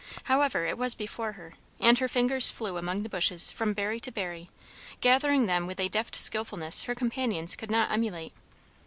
However, it was before her, and her fingers flew among the bushes, from berry to berry, gathering them with a deft skilfulness her companions could not emulate.